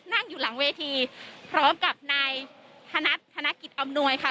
นั่งอยู่หลังเวทีพร้อมกับนายธนัดธนกิจอำนวยค่ะ